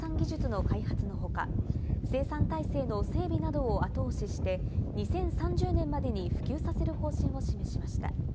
岸田総理は今朝の関係閣僚会議で、国内での量産技術の開発のほか、生産体制の整備などを後押しして２０３０年までに普及させる方針を示しました。